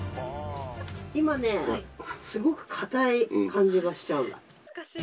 今ねすごくかたい感じがしちゃう。